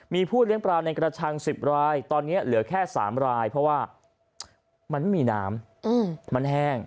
มีผู้เลี้ยงปลาในกระชัง๑๐รายตอนนี้เหลือแค่๓รายเพราะว่ามันไม่มีน้ำมันแห้ง